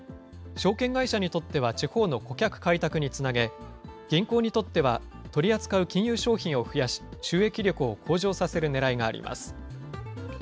証券会社にとっては地方の顧客開拓につなげ、銀行にとっては取り扱う金融商品を増やし、収益力を向上させるねらいがあります。